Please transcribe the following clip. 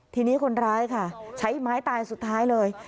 ทีนี้คนร้ายค่ะใช้ไม้ตายสุดท้ายเลย